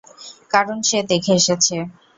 কারণ সে দেখে এসেছে।